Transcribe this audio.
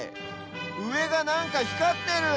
うえがなんかひかってる！